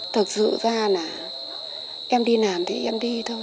thực sự ra là em đi làm thì em đi thôi